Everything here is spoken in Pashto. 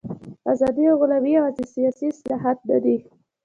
ازادي او غلامي یوازې سیاسي اصطلاحات نه دي.